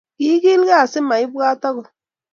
Kiikilkei asimaibwat agot